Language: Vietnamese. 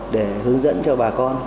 để hướng dẫn cho bà con